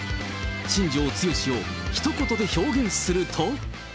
新庄剛志をひと言で表現すると。